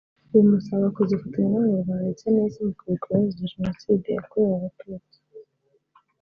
bumusaba kuzifatanya n’abanyarwanda ndetse n’isi mu kwibuka abazize Jenoside yakorewe Abatutsi